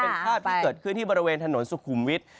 เป็นภาพที่เกิดขึ้นที่บริเวณถนนสุขุมวิทย์